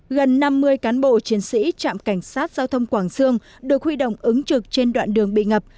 gần năm mươi cán bộ chiến sĩ trạm cảnh sát giao thông quảng sương được huy động ứng trực trên đoạn đường bị ngập